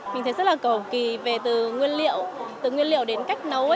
mình thấy rất là cổ kỳ về từ nguyên liệu từ nguyên liệu đến cách nấu